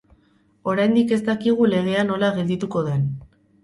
Oraindik ez dakigu legea nola geldituko den.